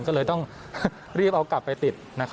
ก็เลยต้องรีบเอากลับไปติด